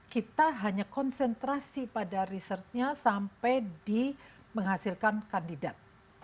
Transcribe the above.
kita hanya konsentrasi pada risetnya sampai di menghasilkan kandidat